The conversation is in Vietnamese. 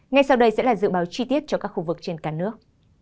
ngay sau đây sẽ là dự báo chi tiết cho các khu vực trên cả nước